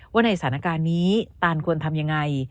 ว่าในสถานการณ์นี้ตานควรทำยังไง